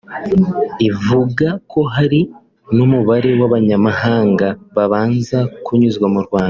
Ivuga ko hari n’umubare w’abanyamahanga babanza kunyuzwa mu Rwanda